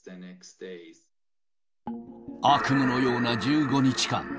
悪夢のような１５日間。